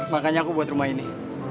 makanya aku buat rumah ini